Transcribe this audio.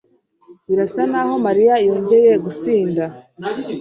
Birasa nkaho Mariya yongeye gusinda.